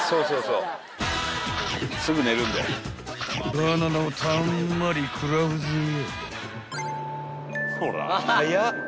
［バナナをたんまり食らうぜよ］